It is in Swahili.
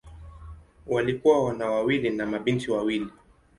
Walikuwa wana wawili na mabinti wawili.